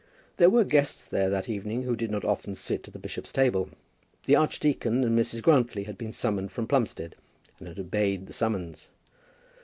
There were guests there that evening who did not often sit at the bishop's table. The archdeacon and Mrs. Grantly had been summoned from Plumstead, and had obeyed the summons.